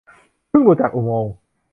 เพิ่งหลุดจากอุโมงค์